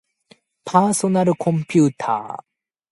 パーソナルコンピューター